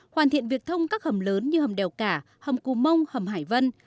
hoàn thiện việc thông các hầm lớn như hầm đèo cả hầm cù mông hầm hải vân